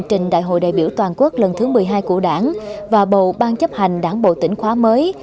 trình đại hội đại biểu toàn quốc lần thứ một mươi hai của đảng và bầu ban chấp hành đảng bộ tỉnh khóa mới